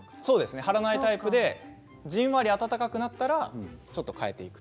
貼らないタイプでじんわり暖かくなったら変えていくと。